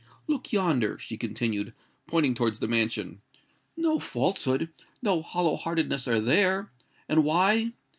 Look yonder," she continued, pointing towards the mansion; "no falsehood—no hollow heartedness are there! And why?